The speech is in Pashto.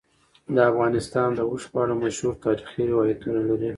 افغانستان د اوښ په اړه مشهور تاریخی روایتونه لري.